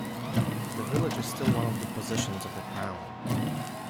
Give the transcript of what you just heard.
The village is still one of the possessions of the Crown.